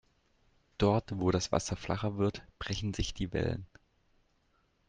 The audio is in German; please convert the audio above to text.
Dort, wo das Wasser flacher wird, brechen sich die Wellen.